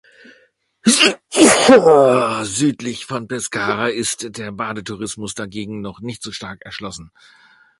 Südlich von Pescara ist der Badetourismus dagegen noch nicht so stark erschlossen.